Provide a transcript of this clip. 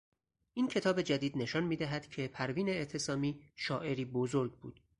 این کتاب جدید نشان میدهد که پروین اعتصامی شاعری بزرگ بود.